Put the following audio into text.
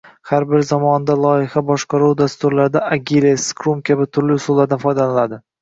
Har bir zamonaviy loyiha boshqaruvi dasturlarida agile, scrum kabi turli usullardan foydalaniladi